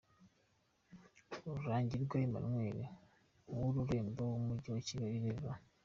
Rurangirwa Emmanuel; uw’ Ururembo rw’Umujyi wa Kigali, Rev.